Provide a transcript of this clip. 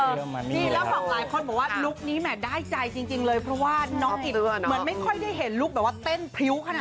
นี่แล้วบอกหลายคนบอกว่าลุคนี้แหม่ได้ใจจริงเลยเพราะว่าน้องอิ่มเหมือนไม่ค่อยได้เห็นลุคแบบว่าเต้นพริ้วขนาด